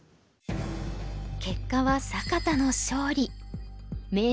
結果は坂田の勝利。